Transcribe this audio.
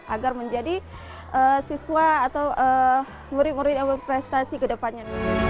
agar menjadi siswa atau murid murid prestasi ke depannya